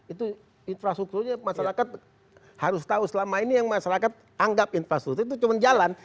itu infrastrukturnya masyarakat harus tahu selama ini yang masyarakat anggap infrastruktur itu cuma jalan